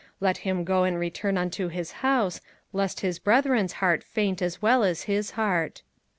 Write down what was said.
let him go and return unto his house, lest his brethren's heart faint as well as his heart.